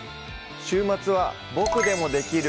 週末は「ボクでもできる！